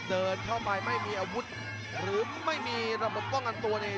เดินเข้าไปไม่มีอาวุธหรือไม่มีระบบป้องกันตัวนี่